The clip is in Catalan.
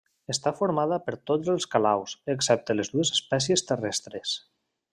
Està formada per tots els calaus, excepte les dues espècies terrestres.